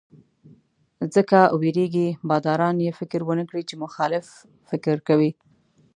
ځکه وېرېږي باداران یې فکر ونکړي چې مخالف فکر کوي.